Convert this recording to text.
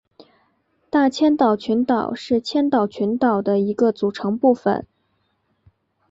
大千岛群岛是千岛群岛的一个组成部分。